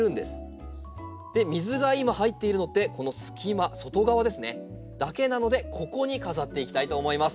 水が今入っているのってこの隙間外側だけなのでここに飾っていきたいと思います。